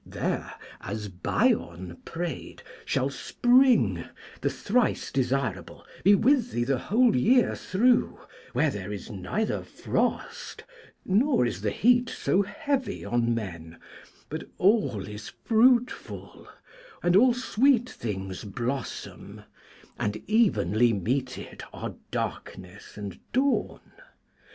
There, as Bion prayed, shall Spring, the thrice desirable, be with thee the whole year through, where there is neither frost, nor is the heat so heavy on men, but all is fruitful, and all sweet things blossom, and evenly meted are darkness and dawn.